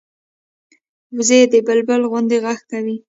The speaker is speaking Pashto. وزې د بلبلي غوندې غږ کوي